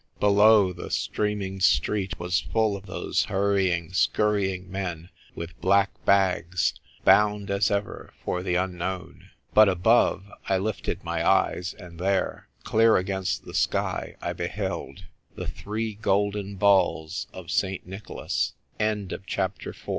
Below, the streaming street was full of those hurrying, scurrying men with black bags, bound as ever for the Un known. But above — I lifted my eyes, and there, clear against the sky, I beheld — the three golden balls of